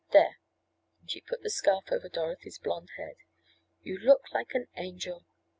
There," and she put the scarf over Dorothy's blond head, "you look like an angel.